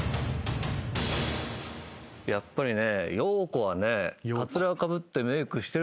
やっぱりね。